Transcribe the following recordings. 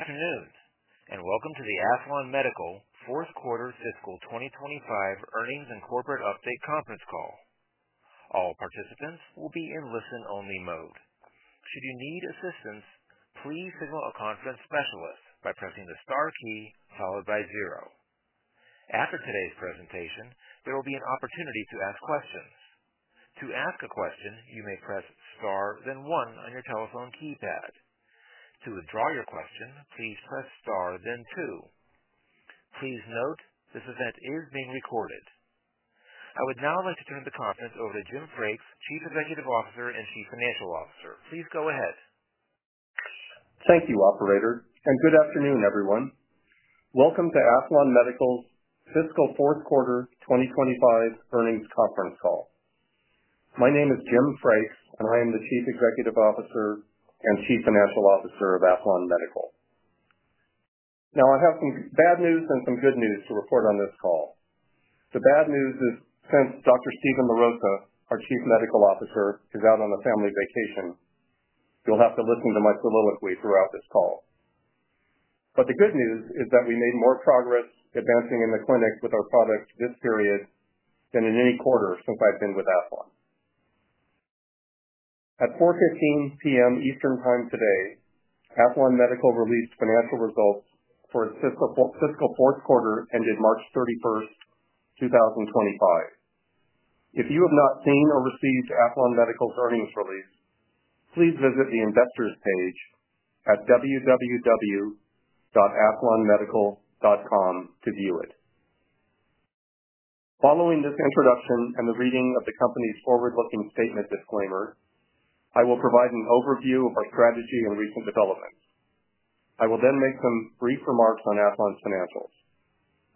Afternoon, and welcome to the Aethlon Medical Fourth Quarter Fiscal 2025 Earnings and Corporate Update Conference Call. All participants will be in listen-only mode. Should you need assistance, please signal a conference specialist by pressing the star key followed by zero. After today's presentation, there will be an opportunity to ask questions. To ask a question, you may press star, then one on your telephone keypad. To withdraw your question, please press star, then two. Please note this event is being recorded. I would now like to turn the conference over to Jim Frakes, Chief Executive Officer and Chief Financial Officer. Please go ahead. Thank you, Operator, and good afternoon, everyone. Welcome to Aethlon Medical's Fiscal Fourth Quarter 2025 Earnings Conference Call. My name is Jim Frakes, and I am the Chief Executive Officer and Chief Financial Officer of Aethlon Medical. Now, I have some bad news and some good news to report on this call. The bad news is, since Dr. Steven LaRosa, our Chief Medical Officer, is out on a family vacation, you'll have to listen to my soliloquy throughout this call. The good news is that we made more progress advancing in the clinic with our product this period than in any quarter since I've been with Aethlon. At 4:15 P.M. Eastern Time today, Aethlon Medical released financial results for its fiscal fourth quarter ended March 31st 2025. If you have not seen or received Aethlon Medical's earnings release, please visit the Investors page at www.aethlonmedical.com to view it. Following this introduction and the reading of the company's forward-looking statement disclaimer, I will provide an overview of our strategy and recent developments. I will then make some brief remarks on Aethlon's financials.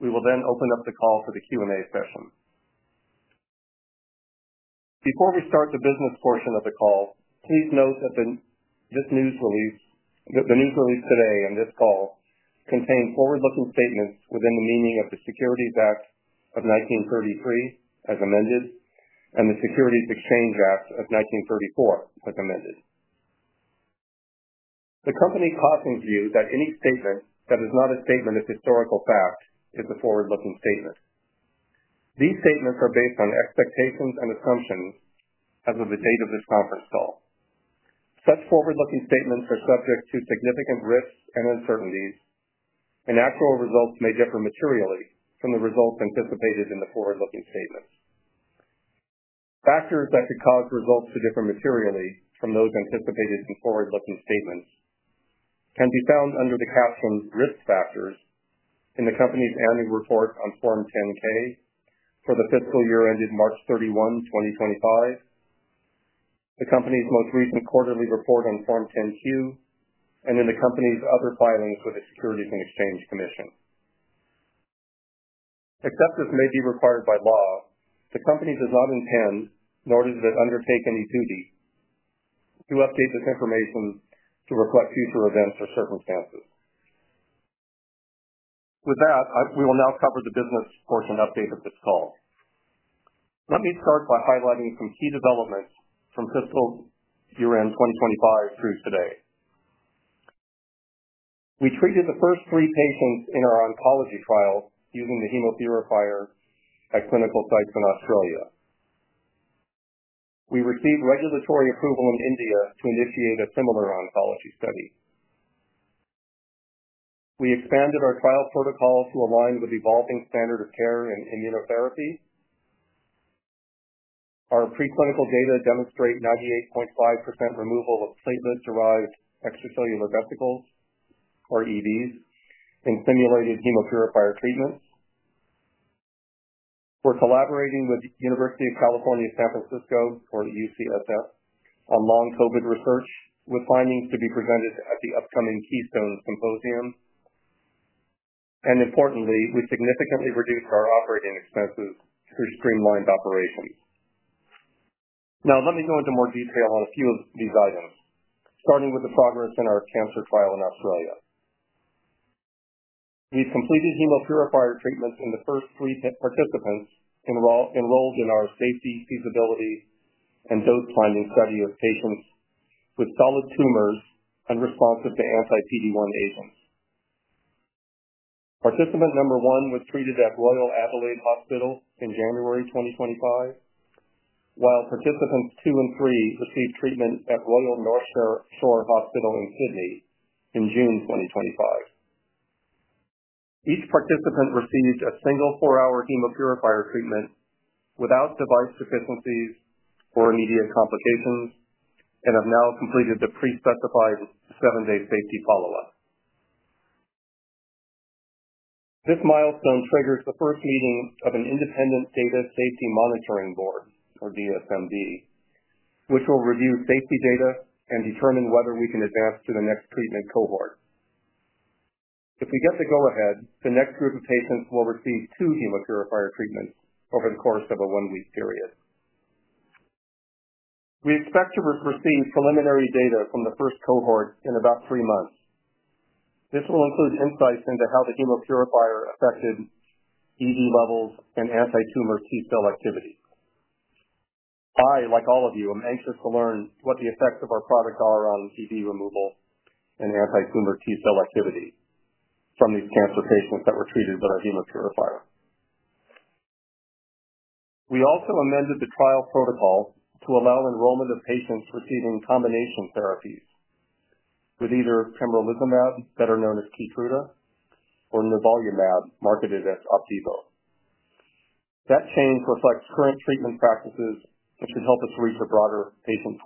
We will then open up the call for the Q&A session. Before we start the business portion of the call, please note that this news release today and this call contain forward-looking statements within the meaning of the Securities Act of 1933, as amended, and the Securities Exchange Act of 1934, as amended. The company cautions you that any statement that is not a statement of historical fact is a forward-looking statement. These statements are based on expectations and assumptions as of the date of this conference call. Such forward-looking statements are subject to significant risks and uncertainties, and actual results may differ materially from the results anticipated in the forward-looking statements. Factors that could cause results to differ materially from those anticipated in forward-looking statements can be found under the captioned risk factors in the company's annual report on Form 10-K for the fiscal year ended March 31, 2025, the company's most recent quarterly report on Form 10-Q, and in the company's other filings with the Securities and Exchange Commission. Except as may be required by law, the company does not intend, nor does it undertake any duty, to update this information to reflect future events or circumstances. With that, we will now cover the business portion update of this call. Let me start by highlighting some key developments from fiscal year-end 2025 through today. We treated the first three patients in our oncology trial using the Hemopurifier at clinical sites in Australia. We received regulatory approval in India to initiate a similar oncology study. We expanded our trial protocol to align with evolving standard of care in immunotherapy. Our preclinical data demonstrate 98.5% removal of platelet-derived extracellular vesicles, or EVs, in stimulated chemopurifier treatments. We're collaborating with the University of California, San Francisco, or UCSF, on long COVID research, with findings to be presented at the upcoming Keystone Symposium. Importantly, we significantly reduced our operating expenses through streamlined operations. Now, let me go into more detail on a few of these items, starting with the progress in our cancer trial in Australia. We've completed chemopurifier treatments in the first three participants enrolled in our safety, feasibility, and dose-finding study of patients with solid tumors unresponsive to anti-PD-1 agents. Participant number one was treated at Royal Adelaide Hospital in January 2025, while participants two and three received treatment at Royal North Shore Hospital in Sydney in June 2025. Each participant received a single four-hour chemopurifier treatment without device deficiencies or immediate complications and have now completed the pre-specified seven-day safety follow-up. This milestone triggers the first meeting of an Independent Data Safety Monitoring Board, or DSMB, which will review safety data and determine whether we can advance to the next treatment cohort. If we get the go-ahead, the next group of patients will receive two chemopurifier treatments over the course of a one-week period. We expect to receive preliminary data from the first cohort in about three months. This will include insights into how the chemopurifier affected EV levels and anti-tumor T-cell activity. I, like all of you, am anxious to learn what the effects of our product are on EV removal and anti-tumor T-cell activity from these cancer patients that were treated with our chemopurifier. We also amended the trial protocol to allow enrollment of patients receiving combination therapies with either pembrolizumab, better known as KEYTRUDA, or nivolumab, marketed as OPDIVO. That change reflects current treatment practices and should help us reach a broader patient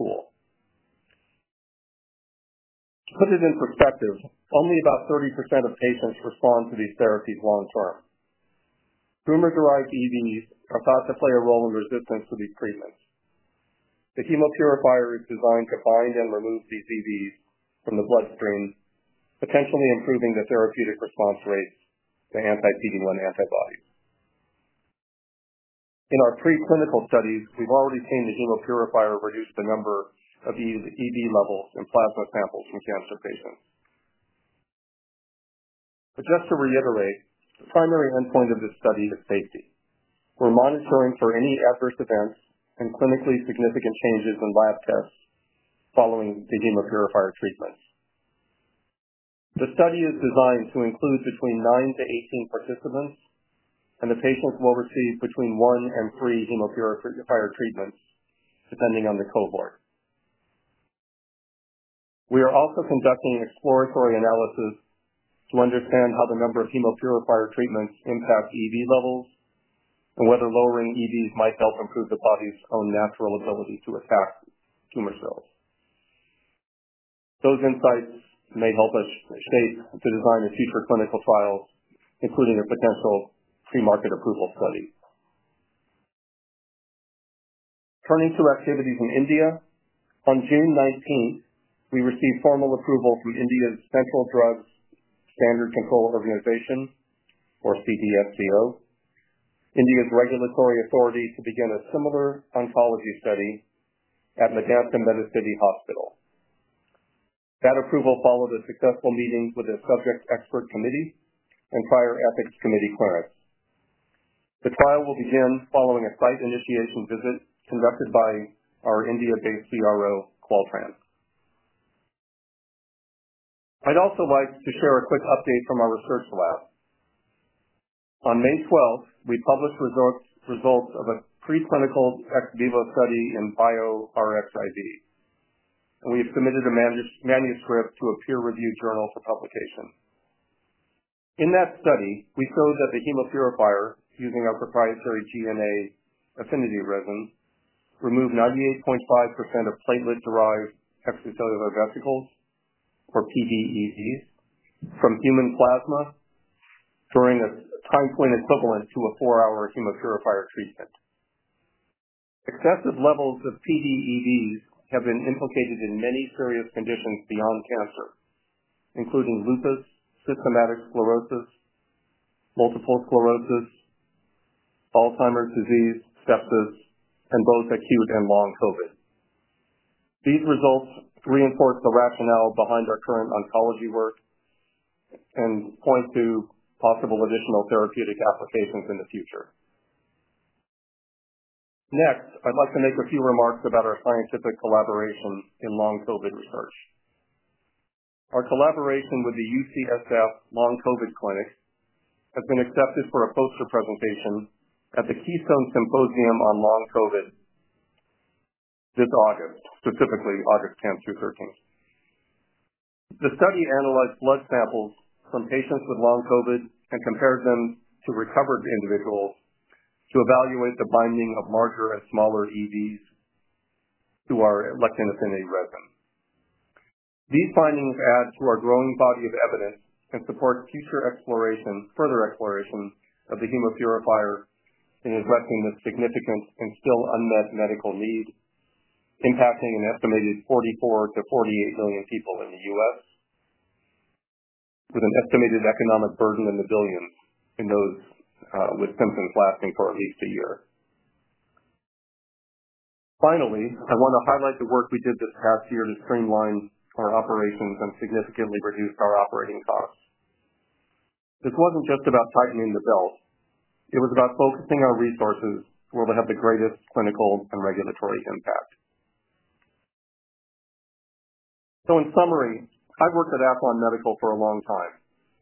pool. To put it in perspective, only about 30% of patients respond to these therapies long-term. Tumor-derived EVs are thought to play a role in resistance to these treatments. The chemopurifier is designed to bind and remove these EVs from the bloodstream, potentially improving the therapeutic response rates to anti-PD-1 antibodies. In our preclinical studies, we've already seen the chemopurifier reduce the number of EV levels in plasma samples from cancer patients. Just to reiterate, the primary endpoint of this study is safety. We're monitoring for any adverse events and clinically significant changes in lab tests following the chemopurifier treatments. The study is designed to include between 9-18 participants, and the patients will receive between one and three chemopurifier treatments, depending on the cohort. We are also conducting exploratory analysis to understand how the number of chemopurifier treatments impacts EV levels and whether lowering EVs might help improve the body's own natural ability to attack tumor cells. Those insights may help us shape the design of future clinical trials, including a potential pre-market approval study. Turning to activities in India, on June 19th, we received formal approval from India's Central Drug Standard Control Organization, or CDSCO, India's regulatory authority to begin a similar oncology study at Medanta Medicity hospital. That approval followed a successful meeting with a Subject Expert Committee and prior Ethics Committee clearance. The trial will begin following a site initiation visit conducted by our India-based CRO, Qualtran. I'd also like to share a quick update from our research lab. On May 12th, we published results of a preclinical ex vivo study in bioRxiv, and we have submitted a manuscript to a peer-reviewed journal for publication. In that study, we showed that the Hemopurifier, using our proprietary GNA affinity resin, removed 98.5% of platelet-derived extracellular vesicles, or PDEVs, from human plasma during a time point equivalent to a four-hour Hemopurifier treatment. Excessive levels of PDEVs have been implicated in many serious conditions beyond cancer, including lupus, systemic sclerosis, multiple sclerosis, Alzheimer's disease, sepsis, and both acute and long COVID. These results reinforce the rationale behind our current oncology work and point to possible additional therapeutic applications in the future. Next, I'd like to make a few remarks about our scientific collaboration in long COVID research. Our collaboration with the UCSF Long COVID Clinic has been accepted for a poster presentation at the Keystone Symposium on Long COVID this August, specifically August 10th through 13th. The study analyzed blood samples from patients with Long COVID and compared them to recovered individuals to evaluate the binding of larger and smaller EVs to our lectin-affinity resin. These findings add to our growing body of evidence and support future further exploration of the Hemopurifier in addressing the significant and still unmet medical need impacting an estimated 44 million-48 million people in the U.S., with an estimated economic burden in the billions in those with symptoms lasting for at least a year. Finally, I want to highlight the work we did this past year to streamline our operations and significantly reduce our operating costs. This wasn't just about tightening the belt. It was about focusing our resources where we have the greatest clinical and regulatory impact. So, in summary, I've worked at Aethlon Medical for a long time,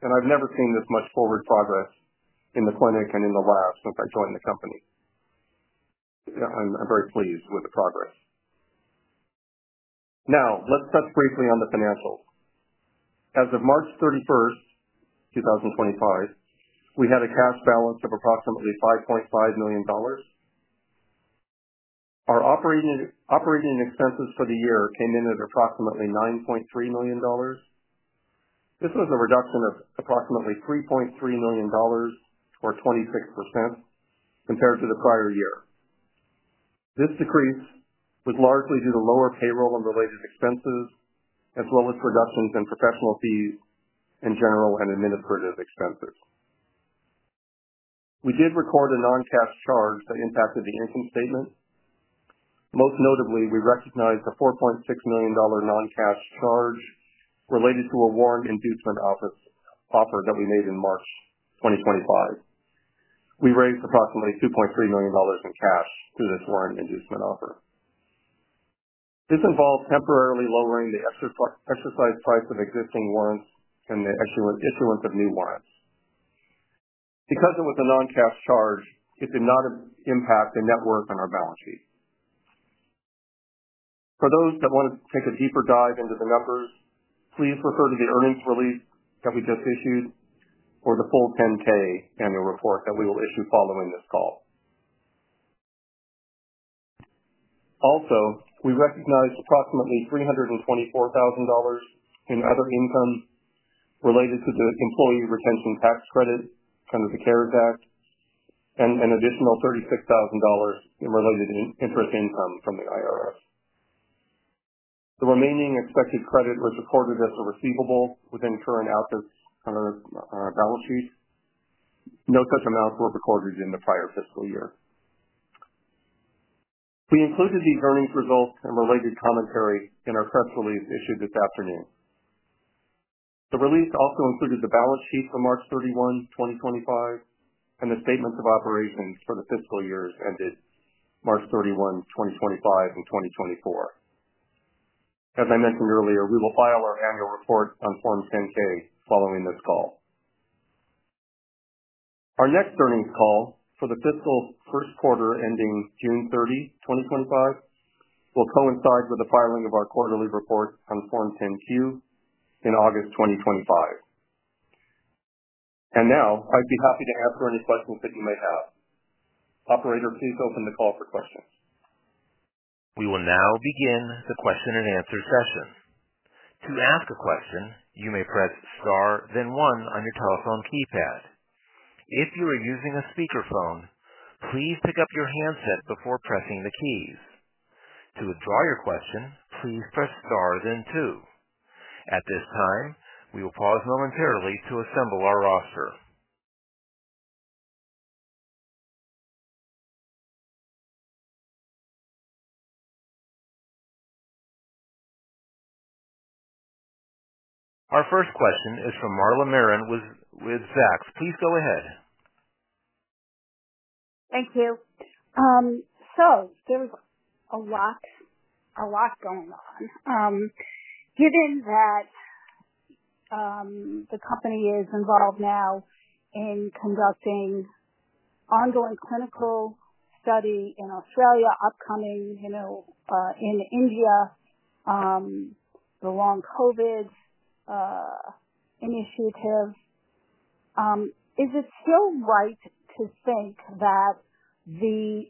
and I've never seen this much forward progress in the clinic and in the lab since I joined the company. I'm very pleased with the progress. Now, let's touch briefly on the financials. As of March 31st 2025, we had a cash balance of approximately $5.5 million. Our operating expenses for the year came in at approximately $9.3 million. This was a reduction of approximately $3.3 million, or 26%, compared to the prior year. This decrease was largely due to lower payroll and related expenses, as well as reductions in professional fees and general and administrative expenses. We did record a non-cash charge that impacted the income statement. Most notably, we recognized a $4.6 million non-cash charge related to a warrant inducement offer that we made in March 2025. We raised approximately $2.3 million in cash through this warrant inducement offer. This involved temporarily lowering the exercise price of existing warrants and the issuance of new warrants. Because it was a non-cash charge, it did not impact the net worth on our balance sheet. For those that want to take a deeper dive into the numbers, please refer to the earnings release that we just issued or the full Form 10-K annual report that we will issue following this call. Also, we recognized approximately $324,000 in other income related to the Employee Retention tax credit under the CARES Act and an additional $36,000 in related interest income from the IRS. The remaining expected credit was recorded as a receivable within current assets on our balance sheet. No such amounts were recorded in the prior fiscal year. We included these earnings results and related commentary in our press release issued this afternoon. The release also included the balance sheet for March 31, 2025, and the statements of operations for the fiscal years ended March 31, 2025, and 2024. As I mentioned earlier, we will file our annual report on Form 10-K following this call. Our next earnings call for the fiscal first quarter ending June 30, 2025, will coincide with the filing of our quarterly report on Form 10-Q in August 2025. I would be happy to answer any questions that you may have. Operator, please open the call for questions. We will now begin the question-and-answer session. To ask a question, you may press star, then one on your telephone keypad. If you are using a speakerphone, please pick up your handset before pressing the keys. To withdraw your question, please press star, then two. At this time, we will pause momentarily to assemble our roster. Our first question is from Marla Marin with Zacks. Please go ahead. Thank you. There is a lot going on. Given that the company is involved now in conducting ongoing clinical study in Australia, upcoming in India, the Long COVID initiative, is it still right to think that the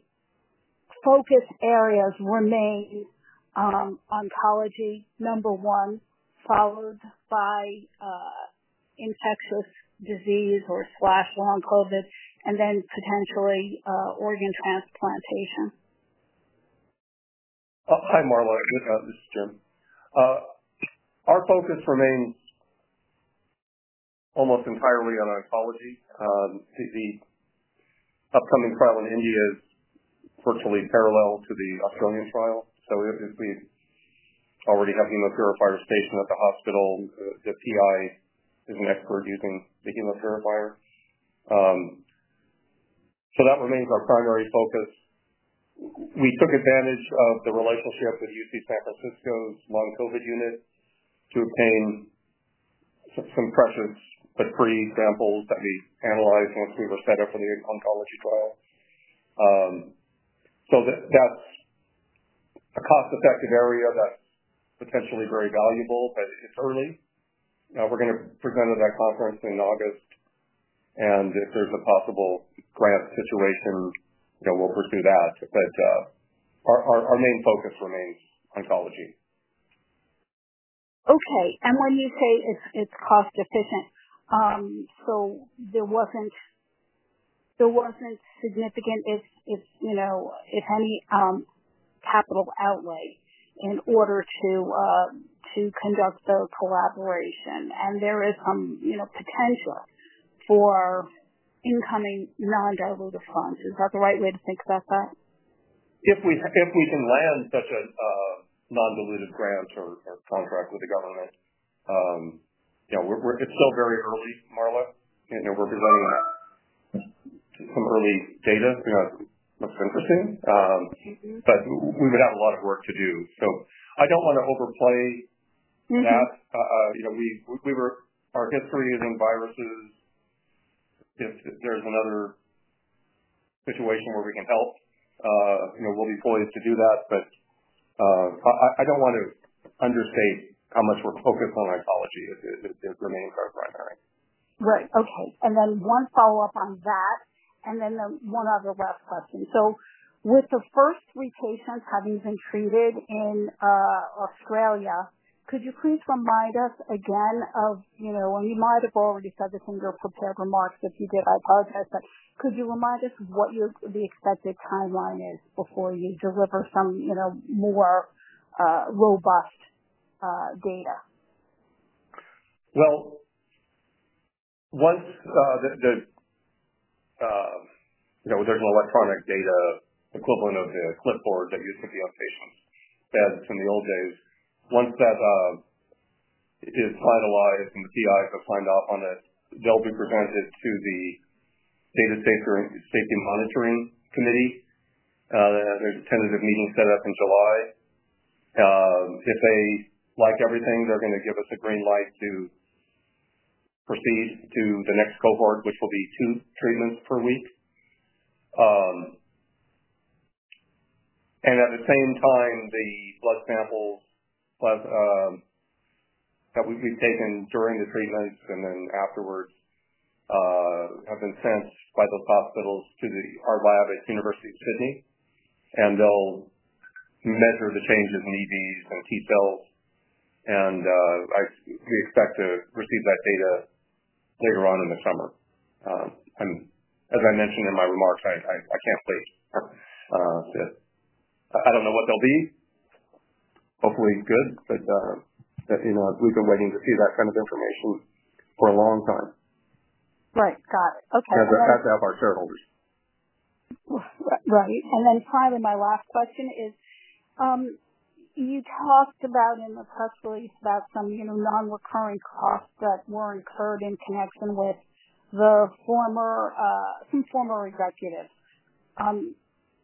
focus areas remain oncology, number one, followed by infectious disease or/ Long COVID, and then potentially organ transplantation? Hi, Marla. This is Jim. Our focus remains almost entirely on oncology. The upcoming trial in India is virtually parallel to the Australian trial. If we already have chemopurifiers stationed at the hospital, the PI is an expert using the chemopurifier. That remains our primary focus. We took advantage of the relationship with UC San Francisco's Long COVID unit to obtain some precious but free samples that we analyzed once we were set up for the oncology trial. That is a cost-effective area that is potentially very valuable, but it is early. We are going to present at that conference in August, and if there is a possible grant situation, we will pursue that. Our main focus remains oncology. Okay. When you say it is cost-efficient, there was not significant, if any, capital outlay in order to conduct the collaboration. There is some potential for incoming non-dilutive funds. Is that the right way to think about that? If we can land such a non-dilutive grant or contract with the government, it is still very early, Marla. We are presenting some early data. That is interesting. We would have a lot of work to do. I do not want to overplay that. Our history is in viruses. If there's another situation where we can help, we'll be poised to do that. I don't want to understate how much we're focused on oncology. It remains our primary. Right. Okay. One follow-up on that, and then one other last question. With the first three patients having been treated in Australia, could you please remind us again of—and you might have already said this in your prepared remarks, if you did, I apologize—could you remind us what the expected timeline is before you deliver some more robust data? Once there's an electronic data equivalent of the clipboard that used to be on patients from the old days, once that is finalized and the PIs have signed off on it, they'll be presented to the Data Safety Monitoring Committee. There's a tentative meeting set up in July. If they like everything, they're going to give us a green light to proceed to the next cohort, which will be two treatments per week. At the same time, the blood samples that we've taken during the treatments and then afterwards have been sent by those hospitals to our lab at the University of Sydney, and they'll measure the changes in EVs and T-cells. We expect to receive that data later on in the summer. As I mentioned in my remarks, I can't wait. I don't know what they'll be. Hopefully, good. We've been waiting to see that kind of information for a long time. Right. Got it. Okay. That's our shareholders. Finally, my last question is you talked about in the press release about some non-recurring costs that were incurred in connection with some former executives.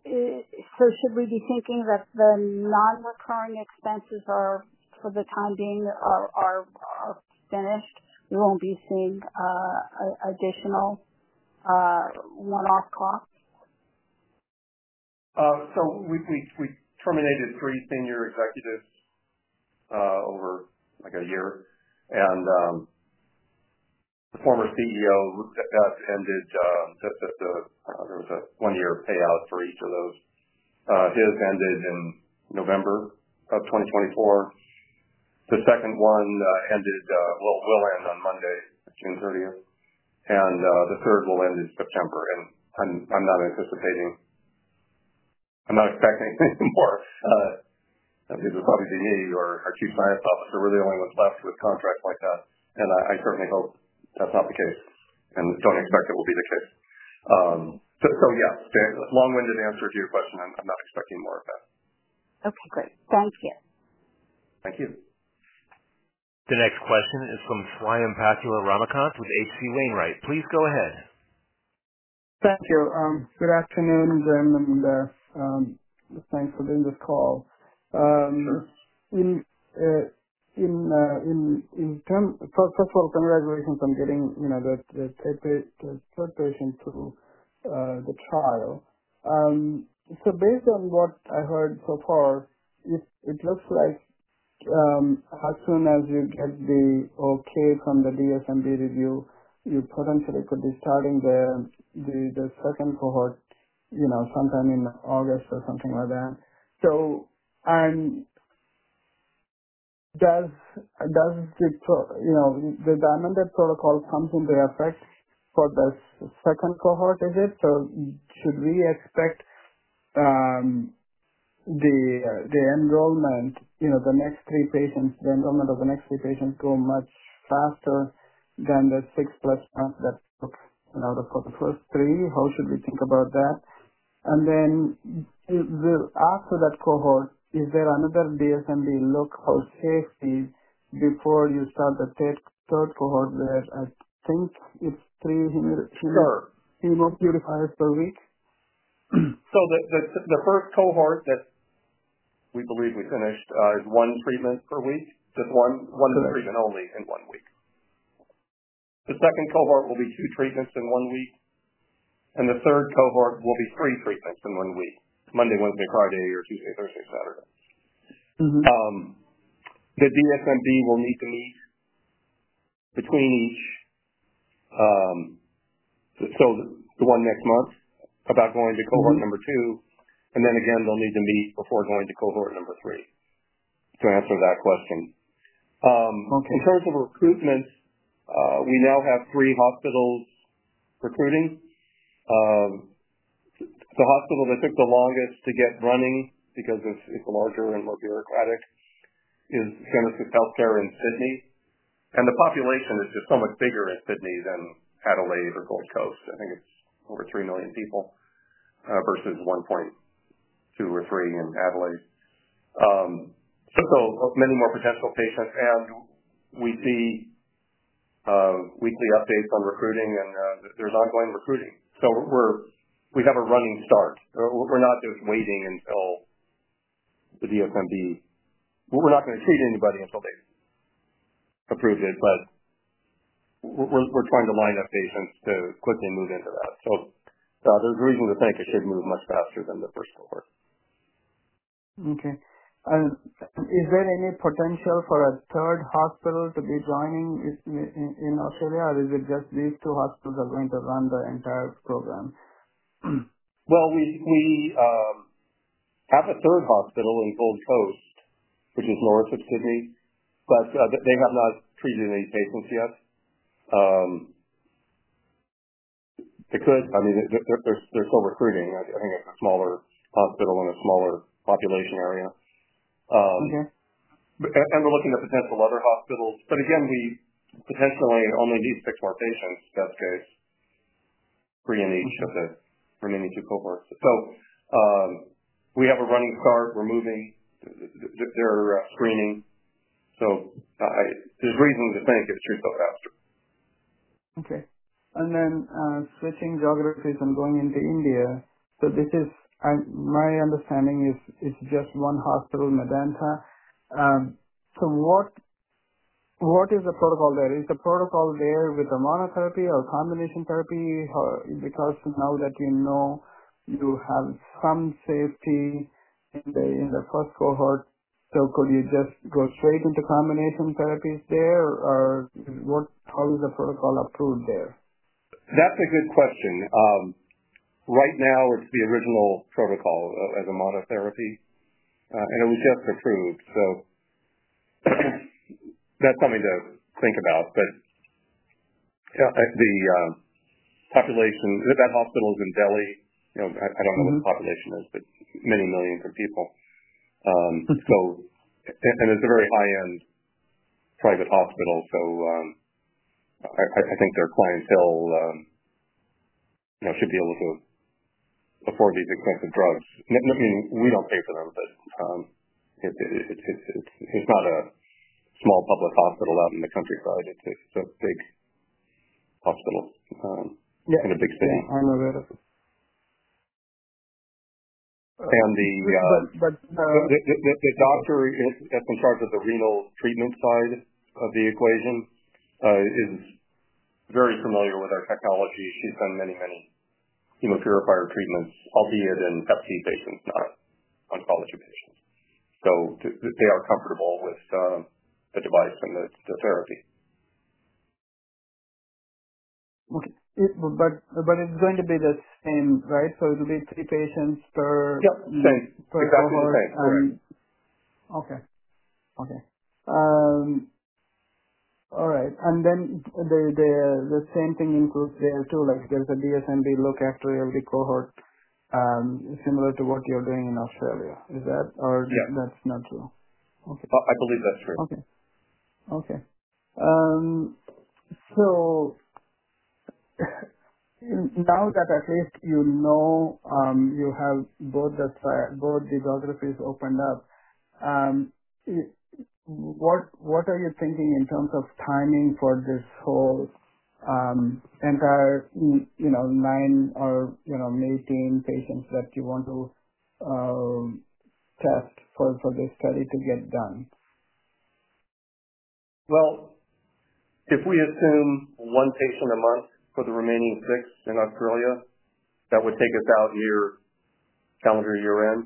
Should we be thinking that the non-recurring expenses are, for the time being, finished? We will not be seeing additional one-off costs? We terminated three senior executives over a year. The former CEO, that ended just at the—there was a one-year payout for each of those. His ended in November of 2024. The second one ended—will end on Monday, June 30th. The third will end in September. I am not anticipating—I am not expecting any more. It would probably be me or our Chief Science Officer were the only ones left with contracts like that. I certainly hope that is not the case and do not expect it will be the case. Yeah, long-winded answer to your question. I am not expecting more of that. Okay. Great. Thank you. Thank you. The next question is from Swayampakula Ramakanth with H.C. Wainwright. Please go ahead. Thank you. Good afternoon, Jim. Thanks for doing this call. Sure. First of all, congratulations on getting the third patient through the trial. Based on what I heard so far, it looks like as soon as you get the okay from the DSMB review, you potentially could be starting the second cohort sometime in August or something like that. Does the diamonded protocol come into effect for the second cohort? Is it? Should we expect the enrollment, the next three patients, the enrollment of the next three patients to go much faster than the six-plus months that it took for the first three? How should we think about that? After that cohort, is there another DSMB look for safety before you start the third cohort where I think it is three chemopurifiers per week? The first cohort that we believe we finished is one treatment per week, just one treatment only in one week. The second cohort will be two treatments in one week. The third cohort will be three treatments in one week: Monday, Wednesday, Friday, or Tuesday, Thursday, Saturday. The DSMB will need to meet between each, so the one next month, about going to cohort number two. Then again, they'll need to meet before going to cohort number three to answer that question. In terms of recruitment, we now have three hospitals recruiting. The hospital that took the longest to get running because it's larger and more bureaucratic is Genesis Healthcare in Sydney. The population is just so much bigger in Sydney than Adelaide or Gold Coast. I think it's over 3 million people versus 1.2 or 1.3 million in Adelaide. Many more potential patients. We see weekly updates on recruiting, and there's ongoing recruiting. We have a running start. We're not just waiting until the DSMB—we're not going to treat anybody until they've approved it. We're trying to line up patients to quickly move into that. There's a reason to think it should move much faster than the first cohort. Okay. Is there any potential for a third hospital to be joining in Australia, or is it just these two hospitals that are going to run the entire program? We have a third hospital in Gold Coast, which is north of Sydney, but they have not treated any patients yet. They could. I mean, they're still recruiting. I think it's a smaller hospital in a smaller population area. We're looking at potential other hospitals. Again, we potentially only need six more patients best case for each of the remaining two cohorts. We have a running start. We're moving. They're screening. There's reason to think it should go faster. Okay. Switching geographies and going into India. My understanding is just one hospital, Medanta. What is the protocol there? Is the protocol there with the monotherapy or combination therapy? Because now that you know you have some safety in the first cohort, could you just go straight into combination therapies there, or how is the protocol approved there? That's a good question. Right now, it's the original protocol as a monotherapy. It was just approved. That's something to think about. The population that hospital is in Delhi, I don't know what the population is, but many millions of people. It's a very high-end private hospital. I think their clientele should be able to afford these expensive drugs. I mean, we don't pay for them, but it's not a small public hospital out in the countryside. It's a big hospital in a big city. Yeah. I know that. The doctor that's in charge of the renal treatment side of the equation is very familiar with our technology. She's done many, many chemopurifier treatments, albeit in FT patients, not oncology patients. They are comfortable with the device and the therapy. Okay. It's going to be the same, right? It'll be three patients per cohort? Yep. Same. Exactly the same. Same. Okay. Okay. All right. The same thing includes there too. There's a DSMB look after every cohort similar to what you're doing in Australia. Is that or that's not true? Yeah. I believe that's true. Okay. Okay. So now that at least you know you have both the geographies opened up, what are you thinking in terms of timing for this whole entire 9 or maybe 10 patients that you want to test for this study to get done? If we assume one patient a month for the remaining six in Australia, that would take us out year calendar year-end.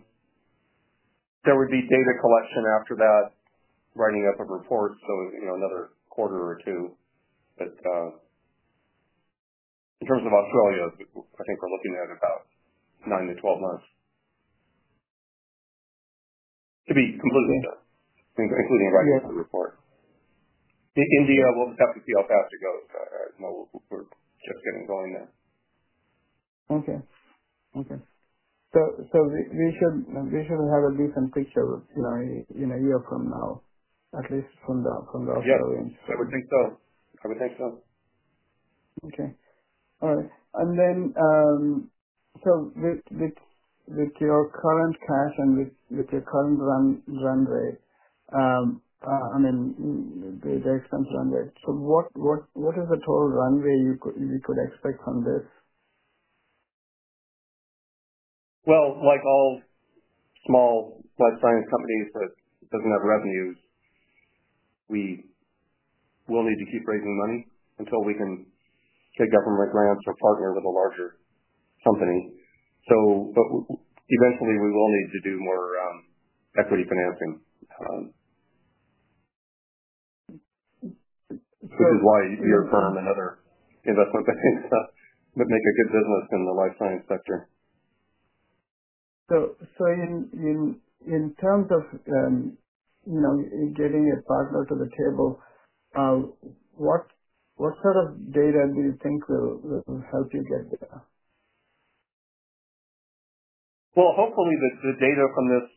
There would be data collection after that, writing up a report, so another quarter or two. In terms of Australia, I think we're looking at about 9-12 months to be completely done, including writing up the report. India will have to see how fast it goes. We're just getting going there. Okay. Okay. So we should have a decent picture in a year from now, at least from the Australian side. Yeah. I would think so. I would think so. Okay. All right. And then with your current cash and with your current runway, I mean, the expense runway, what is the total runway you could expect from this? Like all small life science companies that do not have revenues, we will need to keep raising money until we can take government grants or partner with a larger company. Eventually, we will need to do more equity financing, which is why your firm and other investment banks make a good business in the life science sector. In terms of getting a partner to the table, what sort of data do you think will help you get there? Hopefully, the data from this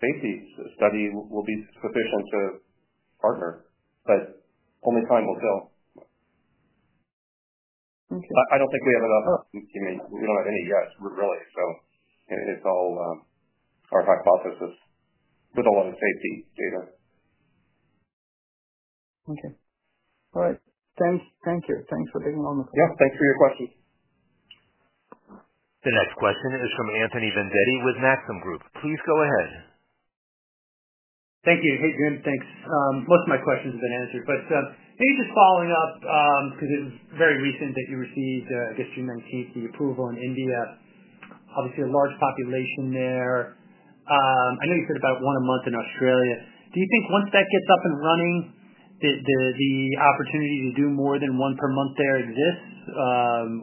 safety study will be sufficient to partner. Only time will tell. I do not think we have enough. I mean, we do not have any yet, really. So it's all our hypothesis with a lot of safety data. Okay. All right. Thank you. Thanks for taking all my questions. Yeah. Thanks for your questions. The next question is from Anthony Vendetti with Maxim Group. Please go ahead. Thank you. Hey, Jim. Thanks. Most of my questions have been answered. But maybe just following up because it was very recent that you received, I guess, June 19th, the approval in India. Obviously, a large population there. I know you said about one a month in Australia. Do you think once that gets up and running, the opportunity to do more than one per month there exists,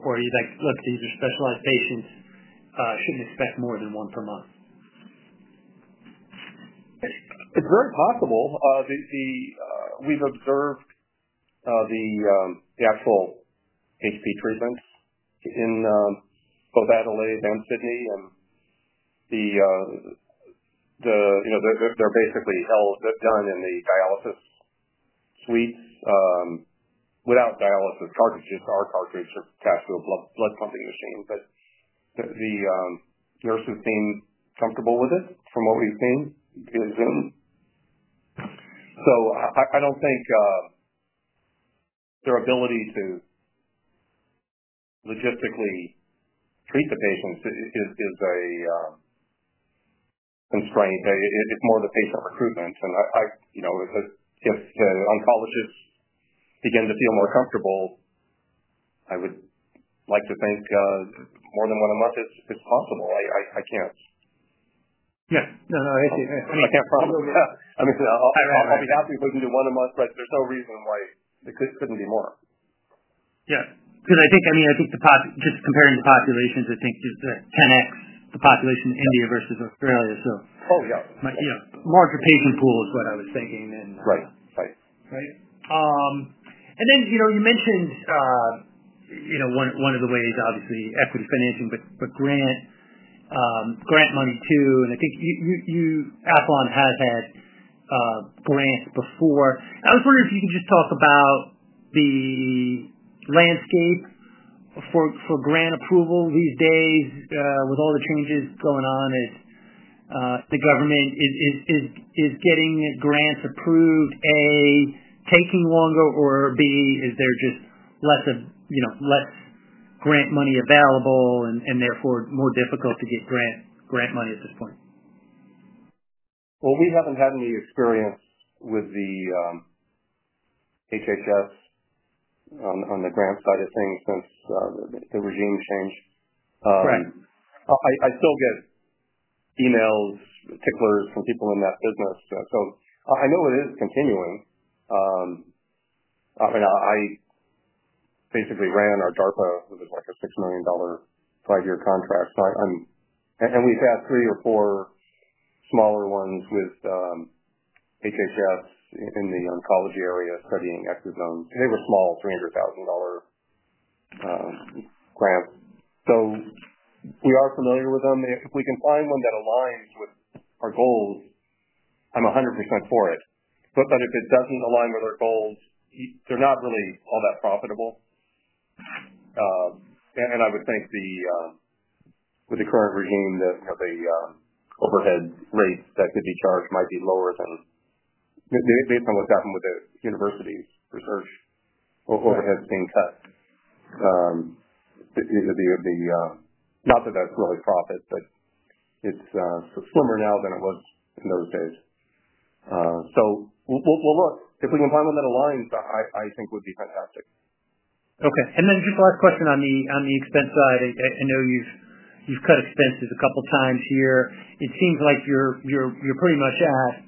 or are you like, "Look, these are specialized patients. Shouldn't expect more than one per month"? It's very possible. We've observed the actual HP treatments in both Adelaide and Sydney. And they're basically done in the dialysis suites without dialysis cartridges. Our cartridges are attached to a blood pumping machine. The nurses seem comfortable with it from what we've seen via Zoom. I don't think their ability to logistically treat the patients is a constraint. It's more the patient recruitment. If the oncologists begin to feel more comfortable, I would like to think more than one a month is possible. I can't. Yeah. No, no. I see. I mean, I can't promise you. I'll be happy if we can do one a month, but there's no reason why it couldn't be more. Yeah. I think just comparing the populations, I think it's 10x the population in India versus Australia. Larger patient pool is what I was thinking then. Right. Right. Right. You mentioned one of the ways, obviously, equity financing, but grant money too. I think Aethlon has had grants before. I was wondering if you could just talk about the landscape for grant approval these days with all the changes going on. Is the government getting grants approved, A, taking longer, or B, is there just less grant money available and therefore more difficult to get grant money at this point? We haven't had any experience with the HHS on the grant side of things since the regime change. I still get emails, ticklers from people in that business. I know it is continuing. I mean, I basically ran our DARPA. It was like a $6 million five-year contract. We have had three or four smaller ones with HHS in the oncology area studying exosomes. They were small, $300,000 grants. We are familiar with them. If we can find one that aligns with our goals, I'm 100% for it. If it does not align with our goals, they are not really all that profitable. I would think with the current regime, the overhead rates that could be charged might be lower than based on what has happened with the university's research overhead being cut. Not that that is really profit, but it is slimmer now than it was in those days. We will look. If we can find one that aligns, I think it would be fantastic. Okay. Just the last question on the expense side. I know you have cut expenses a couple of times here. It seems like you are pretty much at,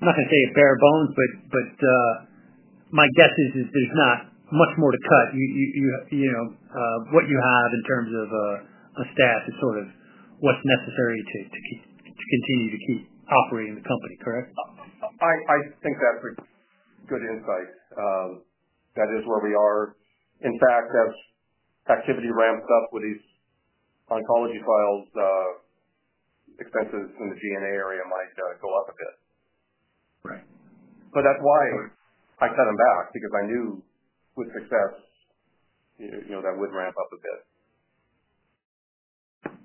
I am not going to say a bare bones, but my guess is there is not much more to cut. What you have in terms of a staff is sort of what is necessary to continue to keep operating the company, correct? I think that is good insight. That is where we are. In fact, as activity ramps up with these oncology files, expenses in the GNA area might go up a bit. That is why I cut them back because I knew with success that would ramp up a bit.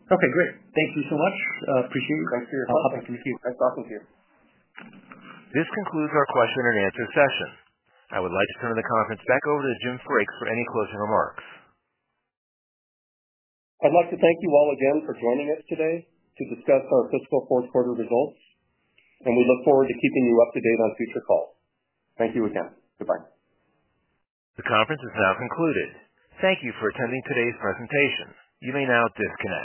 Okay. Great. Thank you so much. Appreciate you. Thanks for your help. I'll talk to you soon. Thanks for talking to you. This concludes our question-and-answer session. I would like to turn the conference back over to Jim Frakes for any closing remarks. I'd like to thank you all again for joining us today to discuss our fiscal fourth quarter results. We look forward to keeping you up to date on future calls. Thank you again. Goodbye. The conference is now concluded. Thank you for attending today's presentation. You may now disconnect.